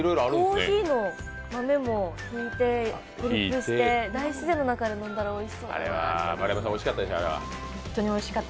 コーヒーの豆もひいてドリップして大自然の中で飲んだらおいしそうだなって。